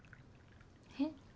えっ？